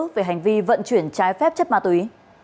về hành vi vận chuyển trái phép chất ma túy